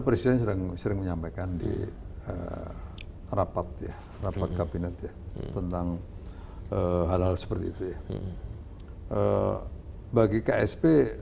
presiden sering sering menyampaikan di rapat ya rapat kabinet ya tentang hal hal seperti itu ya bagi ksp